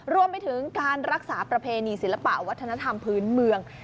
รวมไปถึงการรักษาประเพณีศิลปะวัฒนธรรมพื้นเมือง